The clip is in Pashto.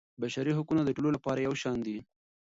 بشري حقونه د ټولو لپاره یو شان دي.